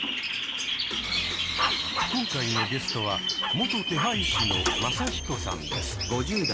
今回のゲストは元手配師のマサヒコさんです。